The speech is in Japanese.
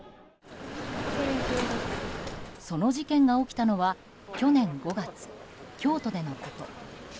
その事件が起きたのは去年５月、京都でのこと。